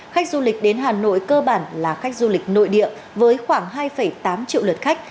khách du lịch đến hà nội cơ bản là khách du lịch nội địa với khoảng hai tám triệu lượt khách